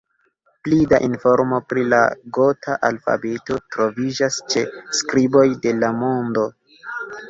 Pli da informo pri la gota alfabeto troviĝas ĉe Skriboj de la Mondo.